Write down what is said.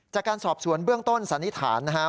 จากการสอบสวนเบื้องต้นสันนิษฐานนะครับ